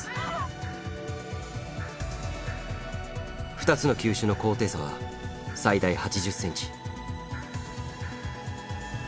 ２つの球種の高低差は最大８０センチ。